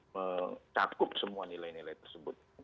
mencakup semua nilai nilai tersebut